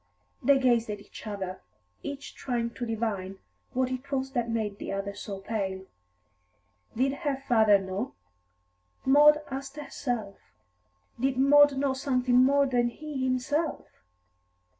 They gazed at each other, each trying to divine what it was that made the other so pale. Did her father know? Maud asked herself. Did Maud know something more than he himself?